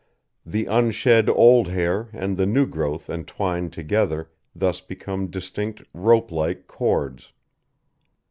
The unshed old hair and the new growth entwined together thus become distinct rope like cords.